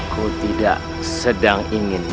kau tidak akan terpaksa